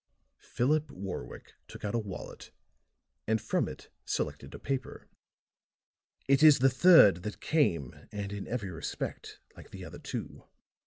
Philip Warwick took out a wallet and from it selected a paper. "It is the third that came and in every respect like the other two."